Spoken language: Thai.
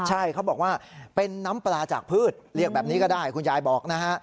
ใช่เขาบอกว่าเป็นน้ำปลาจากพืชเรียกแบบนี้ก็ได้คุณยายบอกนะฮะ